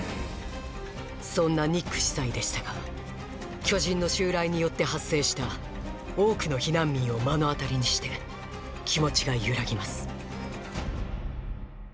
そんなニック司祭でしたが巨人の襲来によって発生した多くの避難民を目の当たりにして気持ちが揺らぎます